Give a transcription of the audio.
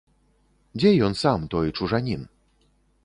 Дзе ён сам, той чужанін?